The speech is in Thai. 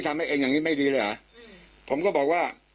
สับบอลนะว่าทำไมไม่กลับบ้านอะ